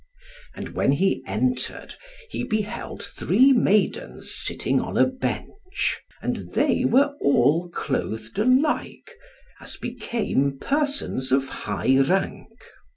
And when he entered, he beheld three maidens sitting on a bench, and they were all clothed alike, as became persons of high rank.